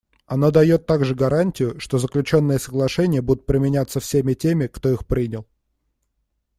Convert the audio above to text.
Оно дает также гарантию, что заключенные соглашения будут применяться всеми теми, кто их принял.